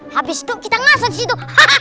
habis itu kita masuk di situ